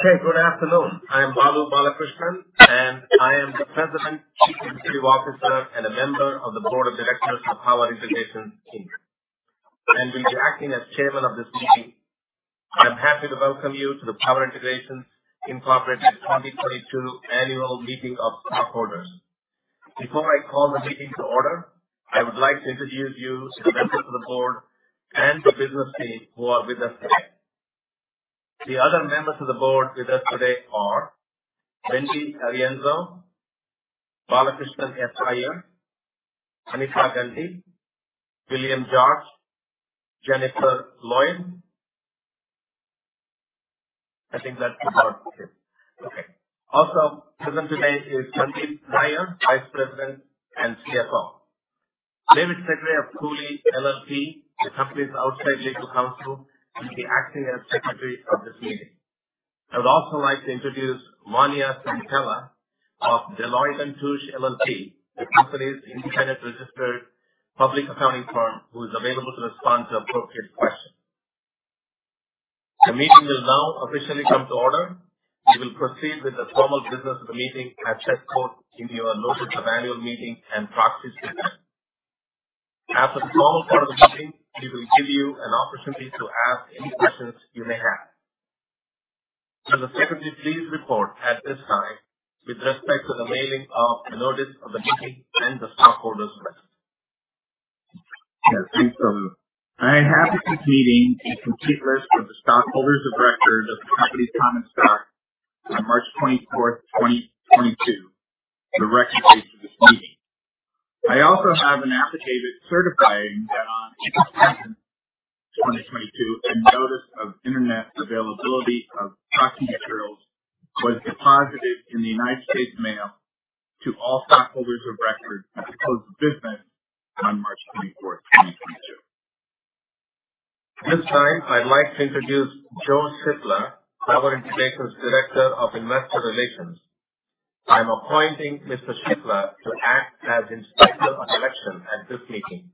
Okay, good afternoon. I am Balu Balakrishnan, and I am the President, Chief Executive Officer, and a member of the Board of Directors of Power Integrations Inc. I will be acting as chairman of this meeting. I'm happy to welcome you to the Power Integrations Incorporated 2022 Annual Meeting of Stockholders. Before I call the meeting to order, I would like to introduce you to the members of the board and the business team who are with us today. The other members of the board with us today are Wendy A. Arienzo, Balakrishnan S. Iyer, Anita Ganti, William L. George, Jennifer Lloyd. I think that's about it. Okay. Also present today is Sandeep Nayyar, Vice President and CFO. David Segre of Cooley LLP, the company's outside legal counsel, will be acting as Secretary of this meeting. I would also like to introduce Vania Santella of Deloitte & Touche LLP, the company's independent registered public accounting firm, who is available to respond to appropriate questions. The meeting will now officially come to order. We will proceed with the formal business of the meeting as set forth in your notice of annual meeting and proxy statement. After the formal part of the meeting, we will give you an opportunity to ask any questions you may have. Will the Secretary please report at this time with respect to the mailing of the notice of the meeting and the stockholders' records. Yes. Thanks, Balu. I have for this meeting a complete list of the stockholders of record of the company's common stock on March 24, 2022, the record date of this meeting. I also have an affidavit certifying that on April 7, 2022, a notice of Internet availability of proxy materials was deposited in the United States mail to all stockholders of record as of the close of business on March 24, 2022. At this time, I'd like to introduce Joe Shiffler, Power Integrations Director of Investor Relations. I'm appointing Mr. Shiffler to act as Inspector of Election at this meeting.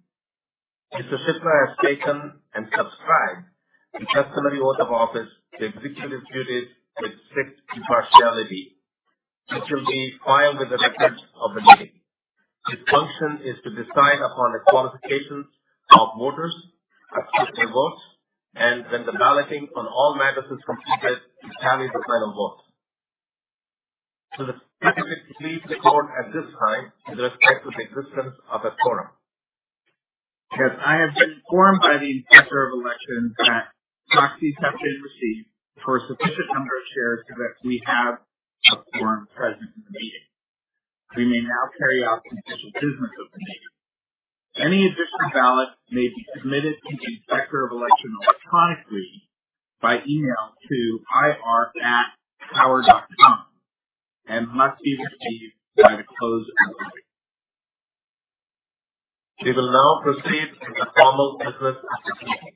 Mr. Shiffler has taken and subscribed the customary oath of office to execute his duties with strict impartiality, which will be filed with the records of the meeting. His function is to decide upon the qualifications of voters, accept their votes, and when the balloting on all matters is completed, to tally the final votes. Will the Secretary please report at this time with respect to the existence of a quorum. Yes. I have been informed by the Inspector of Election that proxies have been received for a sufficient number of shares so that we have a quorum present in the meeting. We may now carry out the official business of the meeting. Any additional ballots may be submitted to the Inspector of Election electronically by email to ir@power.com and must be received by the close of the meeting. We will now proceed with the formal business of the meeting.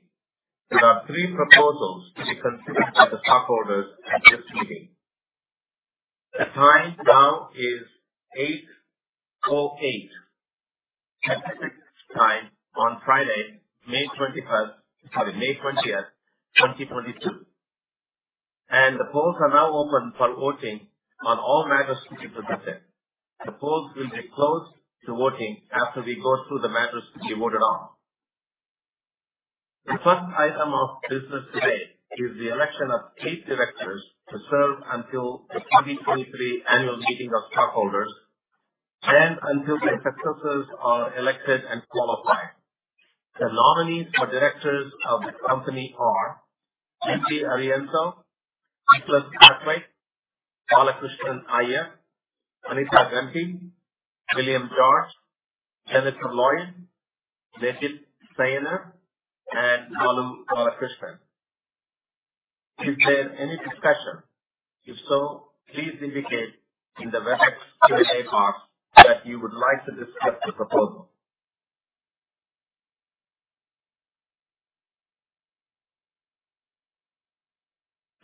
There are three proposals to be considered by the stockholders at this meeting. The time now is 8:08 Pacific Time on Friday, May 20th, 2022. The polls are now open for voting on all matters to be presented. The polls will be closed to voting after we go through the matters to be voted on. The first item of business today is the election of eight directors to serve until the 2023 annual meeting of stockholders and until their successors are elected and qualified. The nominees for directors of the company are Wendy Arienzo, Nicholas Brathwaite, Balakrishnan Iyer, Anita Ganti, William George, Jennifer Lloyd, Rajat Nayyar, and Balu Balakrishnan. Is there any discussion? If so, please indicate in the Webex Q&A box that you would like to discuss the proposal.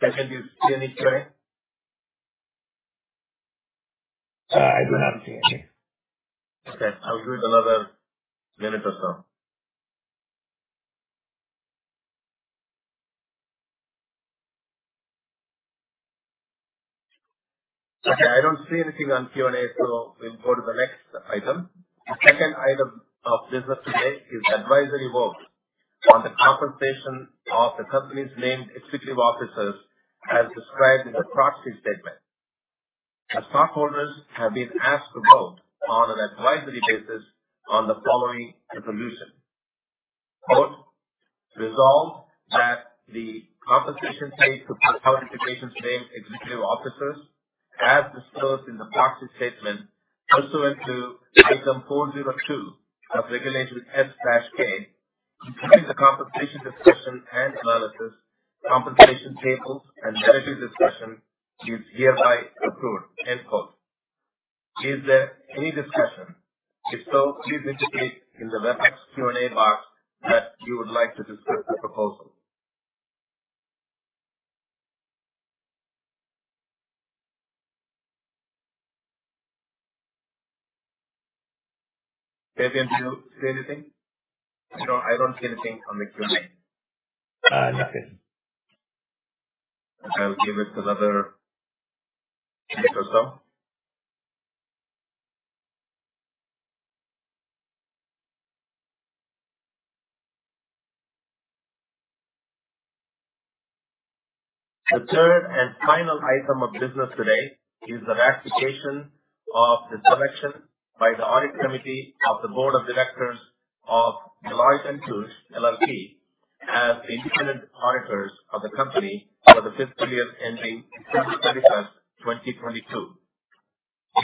do you see any today? I do not see any. Okay. I'll give it another minute or so. Okay. I don't see anything on Q&A, so we'll go to the next item. The second item of business today is advisory vote on the compensation of the company's named executive officers as described in the proxy statement. The stockholders have been asked to vote on an advisory basis on the following resolution. Quote, resolved that the compensation paid to Power Integrations named executive officers, as disclosed in the proxy statement, pursuant to Item 402 of Regulation S-K, including the compensation discussion and analysis, compensation tables, and benefit discussion is hereby approved. End quote. Is there any discussion? If so, please indicate in the Webex Q&A box that you would like to discuss the proposal. David, do you see anything? No, I don't see anything on the Q&A. I'll give it to the other director, though. The third and final item of business today is the ratification of the selection by the Audit Committee of the Board of Directors of Deloitte & Touche LLP as the independent auditors of the company for the fiscal period ending December 31st, 2022.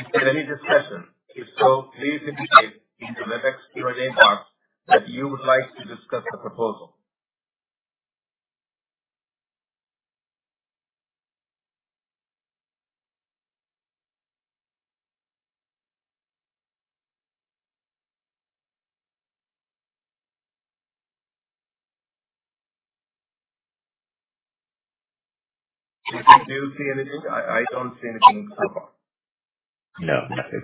Is there any discussion? If so, please indicate in the Webex Q&A box that you would like to discuss the proposal. Do you see anything? I don't see anything so far. No, nothing.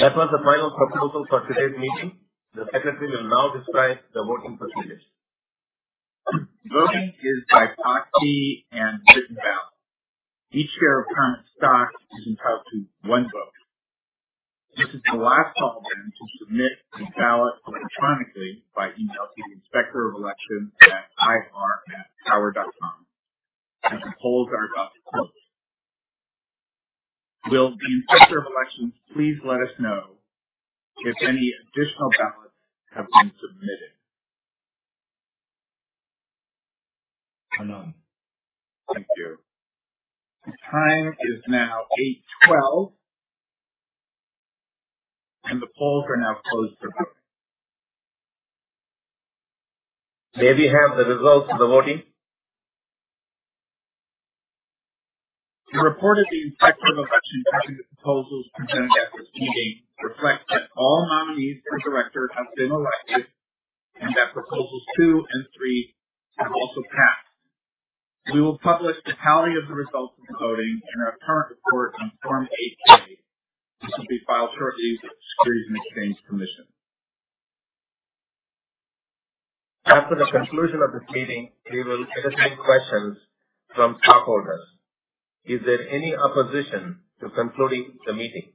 That was the final proposal for today's meeting. The secretary will now describe the voting procedures. Voting is by proxy and written ballot. Each share of current stock is entitled to one vote. This is the last call for them to submit the ballot electronically by email to the Inspector of Elections at ir@power.com. As the polls are now closed. Will the Inspector of Elections please let us know if any additional ballots have been submitted. None. Thank you. The time is now 8:12, and the polls are now closed for voting. May we have the results of the voting? The report of the Inspector of Elections on the proposals presented at this meeting reflects that all nominees for director have been elected and that proposals two and three have also passed. We will publish the tally of the results of the voting in our current report on Form 8-K, which will be filed shortly with the Securities and Exchange Commission. After the conclusion of this meeting, we will entertain questions from stockholders. Is there any opposition to concluding the meeting?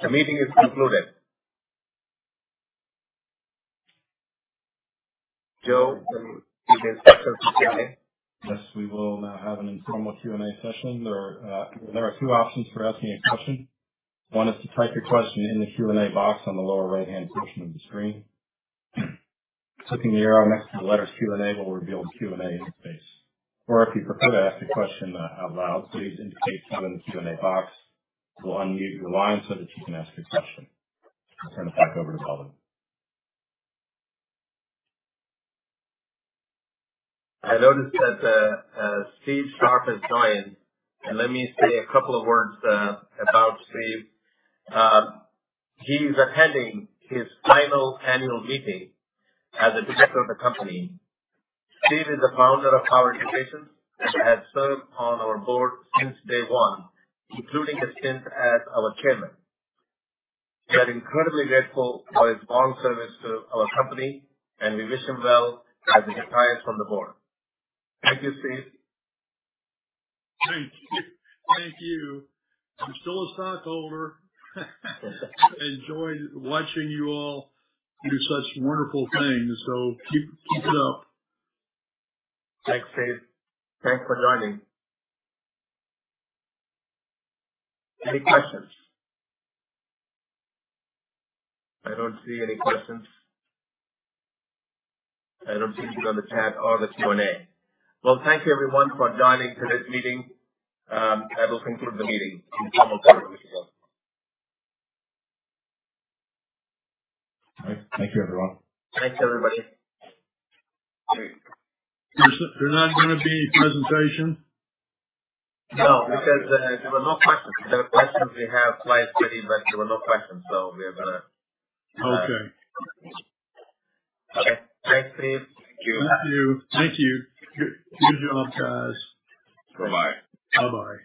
The meeting is concluded. Joe, can we take it back to Q&A? Yes. We will now have an informal Q&A session. There are two options for asking a question. One is to type your question in the Q&A box on the lower right-hand portion of the screen. Clicking the arrow next to the letters Q&A will reveal the Q&A interface. Or if you prefer to ask a question out loud, please indicate so in the Q&A box. We'll unmute your line so that you can ask your question. I'll turn it back over to Balan. I noticed that Steve Sharp has joined, and let me say a couple of words about Steve. He's attending his final annual meeting as a director of the company. Steve is the founder of Power Integrations and has served on our board since day one, including his stint as our chairman. We are incredibly grateful for his long service to our company, and we wish him well as he retires from the board. Thank you, Steve. Thank you. Thank you. I'm still a stockholder. Enjoyed watching you all do such wonderful things, so keep it up. Thanks, Steve. Thanks for joining. Any questions? I don't see any questions. I don't see any on the chat or the Q&A. Well, thank you everyone for joining today's meeting. I will conclude the meeting on formal terms as well. All right. Thank you everyone. Thanks, everybody. There's not gonna be any presentation? No, because there were no questions. If there were questions, we have slides ready, but there were no questions, so we are gonna- Okay. Okay. Thanks, Steve. Thank you. Thank you. Good job, guys. Bye-bye. Bye-bye.